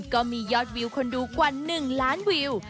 ก็มียอดวิวคนดูกว่า๑ล้านวิว